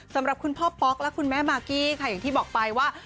สำหรับคุณพ่อป๊อกและคุณแม่มากกี้ค่ะอย่างที่บอกไปว่า